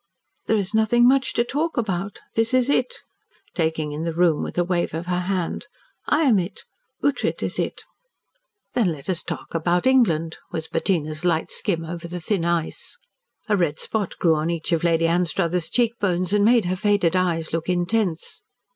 "There is nothing much to talk about. This is it " taking in the room with a wave of her hand. "I am it. Ughtred is it." "Then let us talk about England," was Bettina's light skim over the thin ice. A red spot grew on each of Lady Anstruthers' cheek bones and made her faded eyes look intense.